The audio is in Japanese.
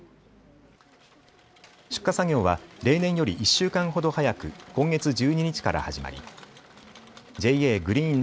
出荷作業は例年より１週間ほど早く今月１２日から始まりＪＡグリーン